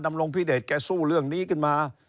รงพิเดชแกสู้เรื่องนี้ขึ้นมา